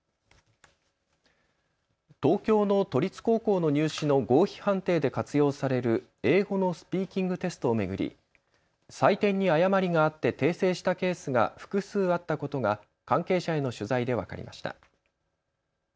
東京の都立高校の入試の合否判定で活用される英語のスピーキングテストを巡り採点に誤りがあって訂正したケースが複数あったことが関係者への取材で分かりました。